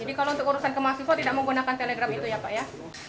jadi kalau untuk urusan kemahasifo tidak menggunakan telegram itu ya pak ya